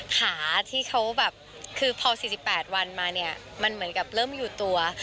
ขาที่เขาแบบคือพอ๔๘วันมาเนี่ยมันเหมือนกับเริ่มหยุดตัว